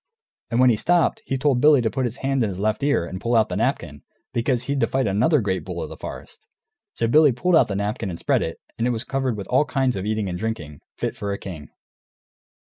And when he stopped he told Billy to put his hand in his left ear and pull out the napkin, because he'd to fight another great bull of the forest. So Billy pulled out the napkin and spread it, and it was covered with all kinds of eating and drinking, fit for a king.